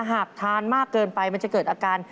หากทานมากเกินไปมันจะเกิดอาการ